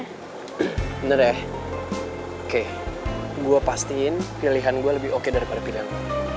bener ya oke gue pastiin pilihan gue lebih oke daripada pilihan